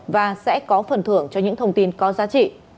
và sẽ có phần thưởng cho những thông tin có giá trị